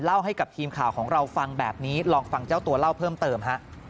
ให้กับทีมข่าวของเราฟังแบบนี้ลองฟังเจ้าตัวเล่าเพิ่มเติมฮะ